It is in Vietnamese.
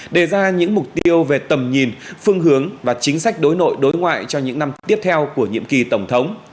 đề ra những mục tiêu về tầm nhìn phương hướng và chính sách đối nội đối ngoại cho những năm tiếp theo của nhiệm kỳ tổng thống